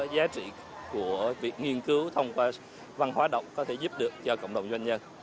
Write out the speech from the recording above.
giá trị của việc nghiên cứu thông qua văn hóa đọc có thể giúp được cho cộng đồng doanh nhân